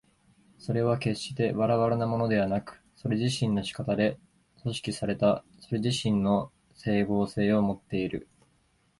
それは決してばらばらなものでなく、それ自身の仕方で組織されたそれ自身の斉合性をもっている。